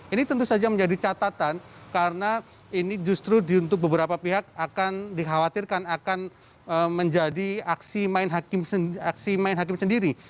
ini tentu saja menjadi catatan karena ini justru untuk beberapa pihak akan dikhawatirkan akan menjadi aksi main hakim sendiri